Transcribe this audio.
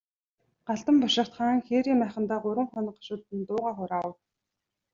Галдан бошигт хаан хээрийн майхандаа гурван хоног гашуудан дуугаа хураав.